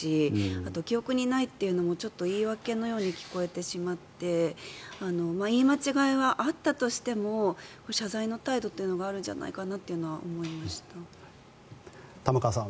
あと、記憶にないというのもちょっと言い訳のように聞こえてしまって言い間違いはあったとしても謝罪の態度というのがあるんじゃないかなというのは思いました。